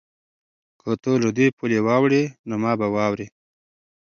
که ته له دې پولې واوړې نو ما به واورې؟